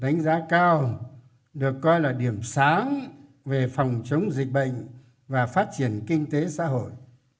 đánh giá cao được coi là điểm sáng về phòng chống dịch bệnh và phát triển kinh tế xã hội